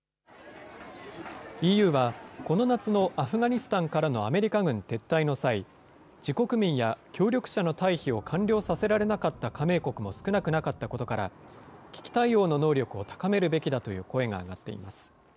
ＥＵは、この夏のアフガニスタンからのアメリカ軍撤退の際、自国民や協力者の退避を完了させられなかった加盟国も少なくなかったことから、危機対応の能力を高めるべきだという声が上がっています。